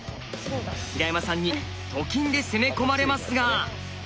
平山さんにと金で攻め込まれますが。